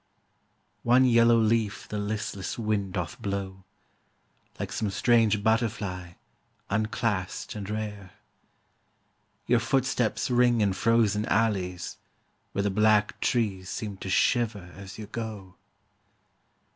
One yellow leaf the listless wind doth blow, Like some strange butterfly, unclassed and rare. Your footsteps ring in frozen alleys, whereThe black trees seem to shiver as you go.